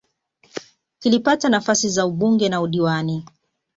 kilipata nafasi za ubunge na udiwani